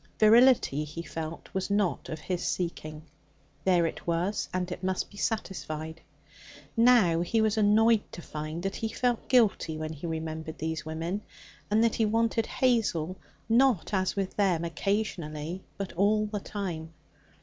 Virility, he felt, was not of his seeking. There it was, and it must be satisfied. Now he was annoyed to find that he felt guilty when he remembered these women, and that he wanted Hazel, not, as with them, occasionally, but all the time.